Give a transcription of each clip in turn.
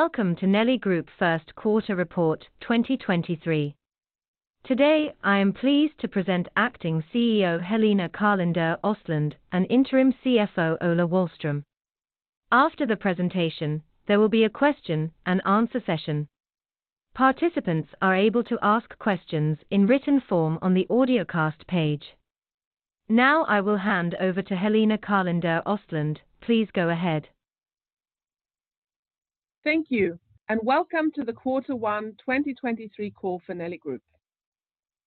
Welcome to Nelly Group first quarter report 2023. Today, I am pleased to present acting CEO Helena Karlinder-Östlundh and interim CFO Ola Wahlström. After the presentation, there will be a question and answer session. Participants are able to ask questions in written form on the audiocast page. Now I will hand over to Helena Karlinder-Östlundh, please go ahead. Thank you. Welcome to the Q1 2023 call for Nelly Group.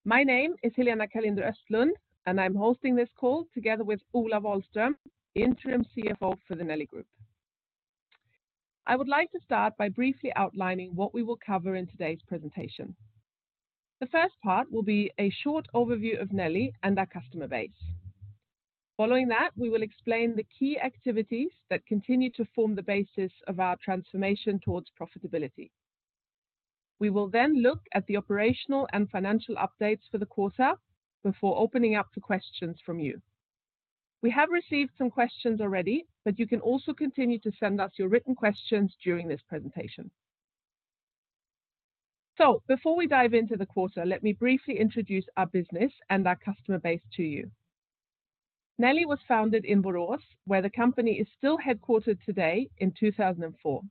My name is Helena Karlinder-Östlundh, and I'm hosting this call together with Ola Wahlström, Interim CFO for the Nelly Group. I would like to start by briefly outlining what we will cover in today's presentation. The first part will be a short overview of Nelly and our customer base. Following that, we will explain the key activities that continue to form the basis of our transformation towards profitability. We will look at the operational and financial updates for the quarter before opening up to questions from you. We have received some questions already. You can also continue to send us your written questions during this presentation. Before we dive into the quarter, let me briefly introduce our business and our customer base to you. Nelly was founded in Borås, where the company is still headquartered today in 2004.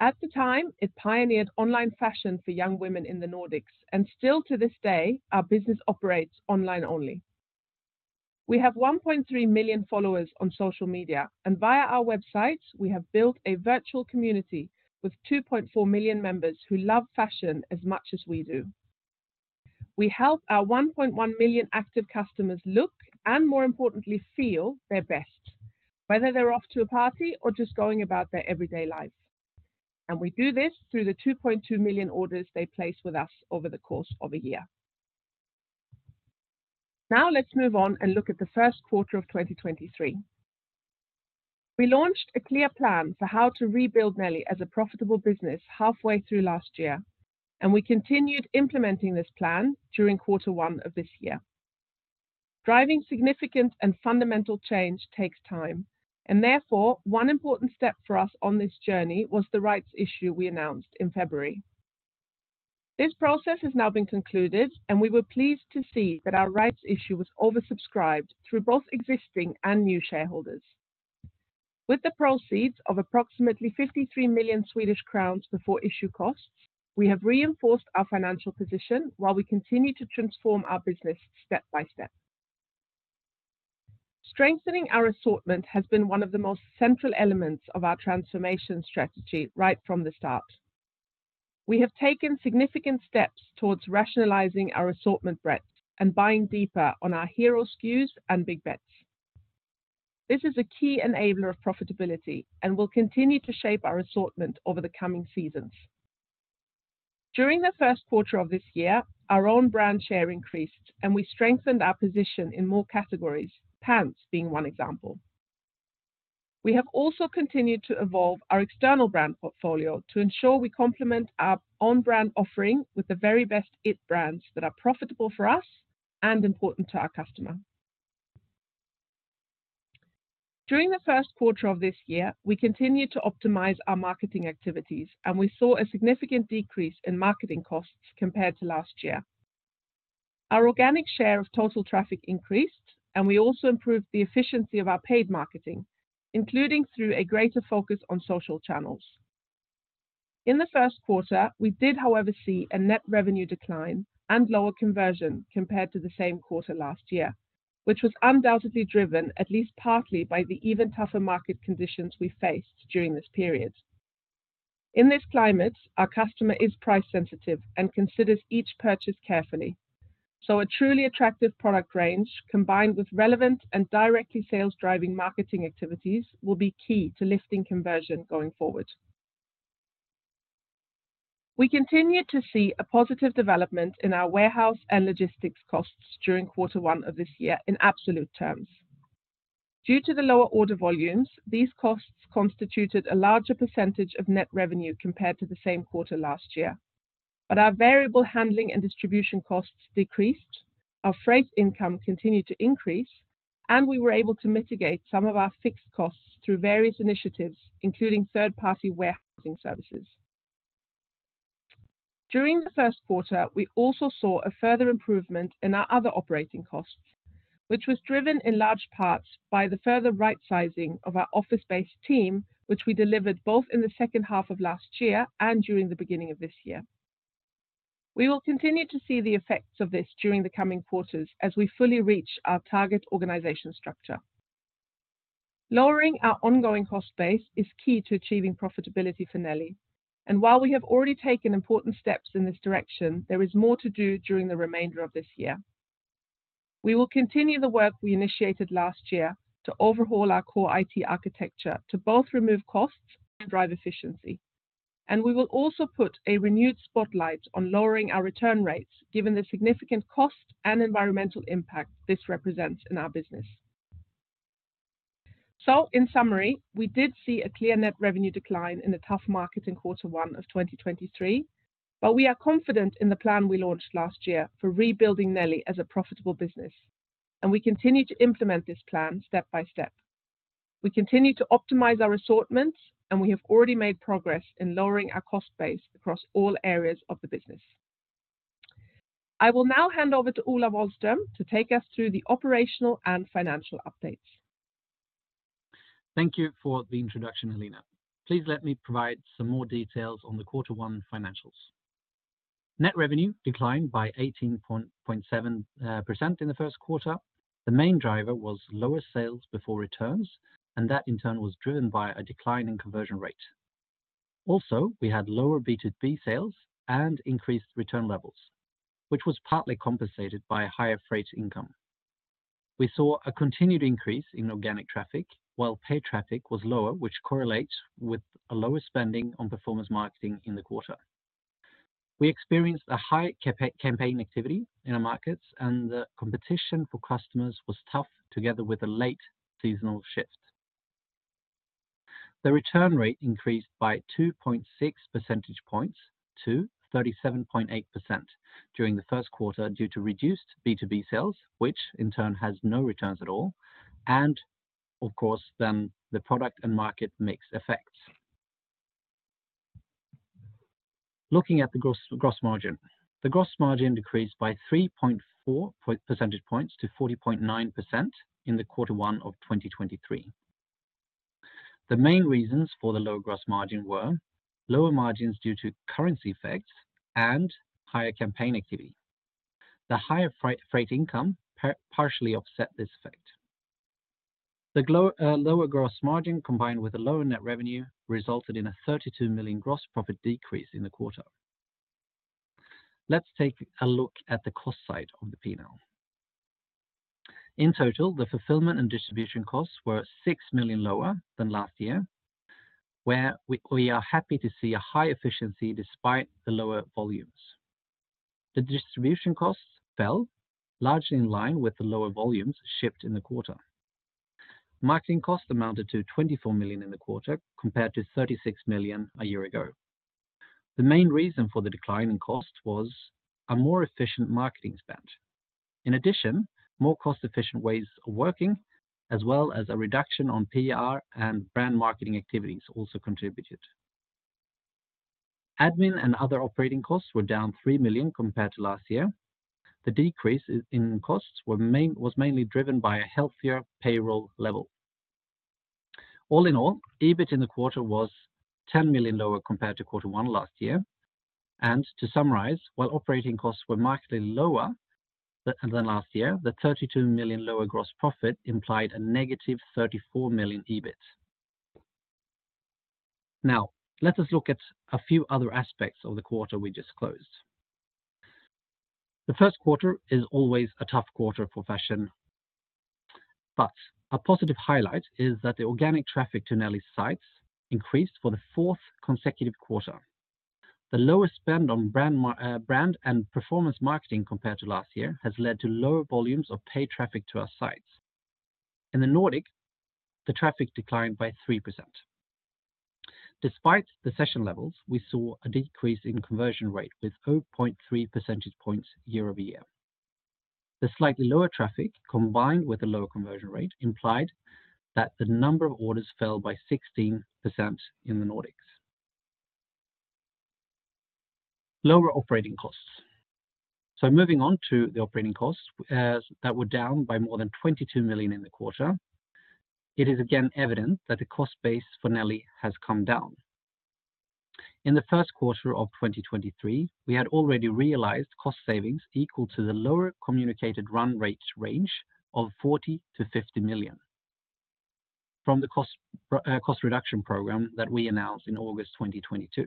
At the time, it pioneered online fashion for young women in the Nordics. Still to this day, our business operates online only. We have 1.3 million followers on social media. Via our websites, we have built a virtual community with 2.4 million members who love fashion as much as we do. We help our 1.1 million active customers look, and more importantly, feel their best, whether they're off to a party or just going about their everyday life. We do this through the 2.2 million orders they place with us over the course of a year. Let's move on and look at the first quarter of 2023. We launched a clear plan for how to rebuild Nelly as a profitable business halfway through last year, and we continued implementing this plan during quarter one of this year. Driving significant and fundamental change takes time, and therefore, one important step for us on this journey was the rights issue we announced in February. This process has now been concluded, and we were pleased to see that our rights issue was oversubscribed through both existing and new shareholders. With the proceeds of approximately 53 million Swedish crowns before issue costs, we have reinforced our financial position while we continue to transform our business step by step. Strengthening our assortment has been one of the most central elements of our transformation strategy right from the start. We have taken significant steps towards rationalizing our assortment breadth and buying deeper on our hero SKUs and big bets. This is a key enabler of profitability and will continue to shape our assortment over the coming seasons. During the first quarter of this year, our own brand share increased, and we strengthened our position in more categories, pants being one example. We have also continued to evolve our external brand portfolio to ensure we complement our own brand offering with the very best it brands that are profitable for us and important to our customer. During the first quarter of this year, we continued to optimize our marketing activities, and we saw a significant decrease in marketing costs compared to last year. Our organic share of total traffic increased, and we also improved the efficiency of our paid marketing, including through a greater focus on social channels. In the first quarter, we did, however, see a net revenue decline and lower conversion compared to the same quarter last year, which was undoubtedly driven at least partly by the even tougher market conditions we faced during this period. In this climate, our customer is price-sensitive and considers each purchase carefully. A truly attractive product range combined with relevant and directly sales-driving marketing activities will be key to lifting conversion going forward. We continued to see a positive development in our warehouse and logistics costs during quarter one of this year in absolute terms. Due to the lower order volumes, these costs constituted a larger percentage of net revenue compared to the same quarter last year. Our variable handling and distribution costs decreased, our freight income continued to increase, and we were able to mitigate some of our fixed costs through various initiatives, including third-party warehousing services. During the first quarter, we also saw a further improvement in our other operating costs, which was driven in large parts by the further right-sizing of our office-based team, which we delivered both in the second half of last year and during the beginning of this year. We will continue to see the effects of this during the coming quarters as we fully reach our target organization structure. Lowering our ongoing cost base is key to achieving profitability for Nelly. While we have already taken important steps in this direction, there is more to do during the remainder of this year. We will continue the work we initiated last year to overhaul our core IT architecture to both remove costs and drive efficiency. We will also put a renewed spotlight on lowering our return rates, given the significant cost and environmental impact this represents in our business. In summary, we did see a clear net revenue decline in the tough market in quarter one of 2023, but we are confident in the plan we launched last year for rebuilding Nelly as a profitable business. We continue to implement this plan step by step. We continue to optimize our assortments, and we have already made progress in lowering our cost base across all areas of the business. I will now hand over to Ola Wahlström to take us through the operational and financial updates. Thank you for the introduction, Helena. Please let me provide some more details on the quarter one financials. Net revenue declined by 18.7% in the first quarter. The main driver was lower sales before returns, that in turn was driven by a decline in conversion rate. We had lower B2B sales and increased return levels, which was partly compensated by a higher freight income. We saw a continued increase in organic traffic, while paid traffic was lower, which correlates with a lower spending on performance marketing in the quarter. We experienced a high campaign activity in our markets, the competition for customers was tough together with a late seasonal shift. The return rate increased by 2.6 percentage points to 37.8% during the first quarter due to reduced B2B sales, which in turn has no returns at all. The product and market mix effects. Looking at the gross margin. The gross margin decreased by 3.4 percentage points to 40.9% in Q1 of 2023. The main reasons for the lower gross margin were lower margins due to currency effects and higher campaign activity. The higher freight income partially offset this effect. The lower gross margin combined with a lower net revenue resulted in a 32 million gross profit decrease in the quarter. Let's take a look at the cost side of the P&L. In total, the fulfillment and distribution costs were 6 million lower than last year, where we are happy to see a high efficiency despite the lower volumes. The distribution costs fell largely in line with the lower volumes shipped in the quarter. Marketing costs amounted to 24 million in the quarter, compared to 36 million a year ago. The main reason for the decline in cost was a more efficient marketing spend. More cost-efficient ways of working, as well as a reduction on PR and brand marketing activities also contributed. Admin and other operating costs were down 3 million compared to last year. The decrease was mainly driven by a healthier payroll level. All in all, EBIT in the quarter was 10 million lower compared to quarter one last year. To summarize, while operating costs were markedly lower than last year, the 32 million lower gross profit implied a negative 34 million EBIT. Let us look at a few other aspects of the quarter we just closed. The first quarter is always a tough quarter for fashion, but a positive highlight is that the organic traffic to Nelly's sites increased for the fourth consecutive quarter. The lower spend on brand and performance marketing compared to last year has led to lower volumes of paid traffic to our sites. In the Nordic, the traffic declined by 3%. Despite the session levels, we saw a decrease in conversion rate with 0.3 percentage points year-over-year. The slightly lower traffic combined with a lower conversion rate implied that the number of orders fell by 16% in the Nordics. Lower operating costs. Moving on to the operating costs that were down by more than 22 million in the quarter, it is again evident that the cost base for Nelly has come down. In the first quarter of 2023, we had already realized cost savings equal to the lower communicated run rates range of 40 million-50 million from the cost reduction program that we announced in August 2022,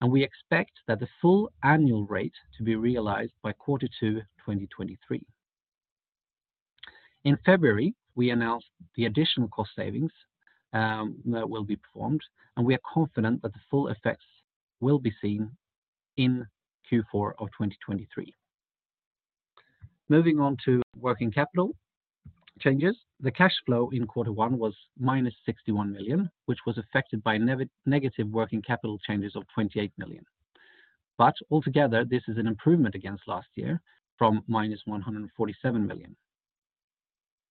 and we expect that the full annual rate to be realized by Q2 2023. In February, we announced the additional cost savings that will be performed, and we are confident that the full effects will be seen in Q4 of 2023. Moving on to working capital changes. The cash flow in Q1 was -61 million, which was affected by negative working capital changes of 28 million. Altogether, this is an improvement against last year from -147 million.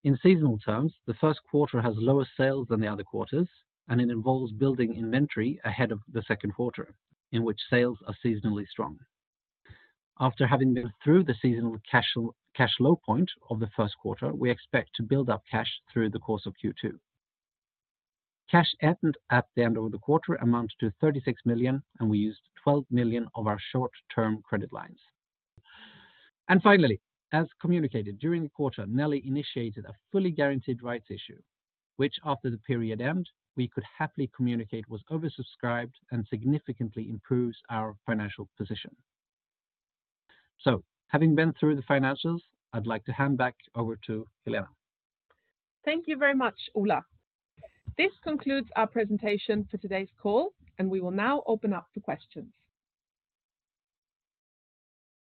In seasonal terms, the first quarter has lower sales than the other quarters, and it involves building inventory ahead of the second quarter, in which sales are seasonally strong. After having been through the seasonal cash low point of the first quarter, we expect to build up cash through the course of Q2. Cash ended at the end of the quarter amounts to 36 million, and we used 12 million of our short-term credit lines. Finally, as communicated during the quarter, Nelly initiated a fully guaranteed rights issue, which after the period end, we could happily communicate was oversubscribed and significantly improves our financial position. Having been through the financials, I'd like to hand back over to Helena. Thank you very much, Ola. This concludes our presentation for today's call, and we will now open up to questions.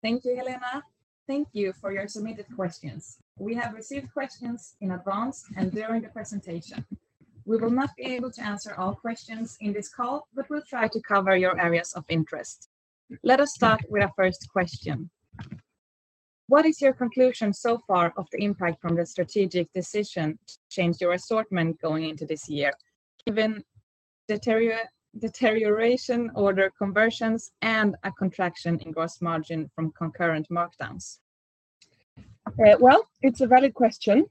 Thank you, Helena. Thank you for your submitted questions. We have received questions in advance and during the presentation. We will not be able to answer all questions in this call, but we'll try to cover your areas of interest. Let us start with our first question. What is your conclusion so far of the impact from the strategic decision to change your assortment going into this year, given deterioration order conversions and a contraction in gross margin from concurrent markdowns? Well, it's a valid question.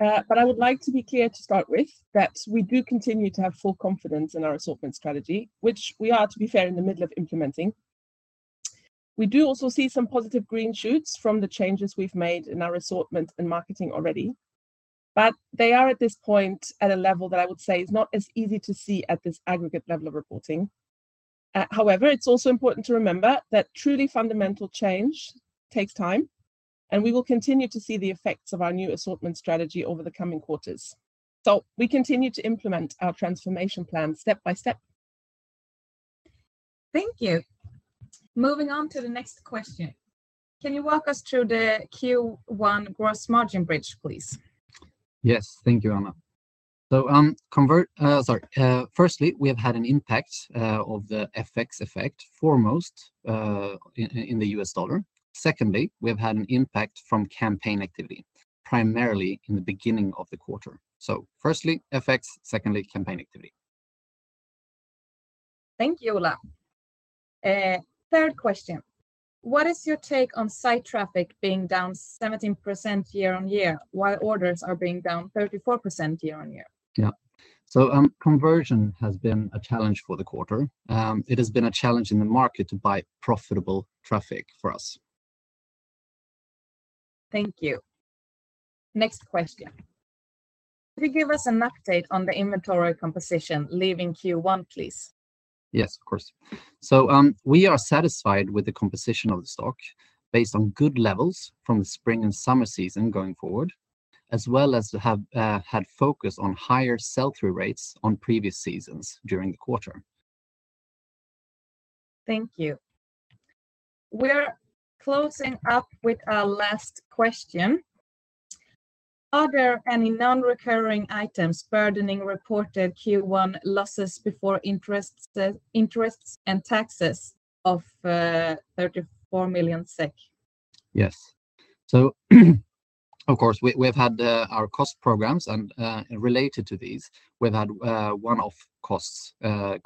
I would like to be clear to start with that we do continue to have full confidence in our assortment strategy, which we are, to be fair, in the middle of implementing. We do also see some positive green shoots from the changes we've made in our assortment and marketing already, but they are at this point at a level that I would say is not as easy to see at this aggregate level of reporting. It's also important to remember that truly fundamental change takes time, and we will continue to see the effects of our new assortment strategy over the coming quarters. We continue to implement our transformation plan step by step. Thank you. Moving on to the next question. Can you walk us through the Q1 gross margin bridge, please? Yes. Thank you, Anna. Firstly, we have had an impact of the FX effect foremost in the U.S. dollar. Secondly, we have had an impact from campaign activity, primarily in the beginning of the quarter. Firstly, FX, secondly, campaign activity. Thank you, Ola. Third question, what is your take on site traffic being down 17% year-on-year, while orders are being down 34% year-on-year? Yeah. Conversion has been a challenge for the quarter. It has been a challenge in the market to buy profitable traffic for us. Thank you. Next question. Could you give us an update on the inventory composition leaving Q1, please? Yes, of course. We are satisfied with the composition of the stock based on good levels from the spring and summer season going forward, as well as to have had focus on higher sell-through rates on previous seasons during the quarter. Thank you. We're closing up with our last question. Are there any non-recurring items burdening reported Q1 losses before interest and taxes of 34 million SEK? Yes. Of course, we've had our cost programs and related to these, we've had one-off costs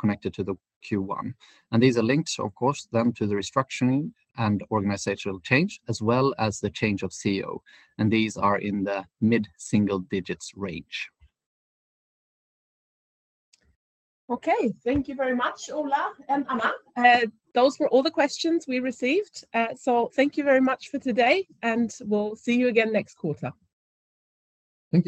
connected to the Q1, and these are linked of course then to the restructuring and organizational change as well as the change of CEO, and these are in the mid-single digits range. Okay. Thank you very much, Ola and Anna. Those were all the questions we received. Thank you very much for today, and we'll see you again next quarter. Thank you.